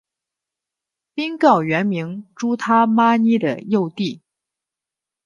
宾告原名朱他玛尼的幼弟。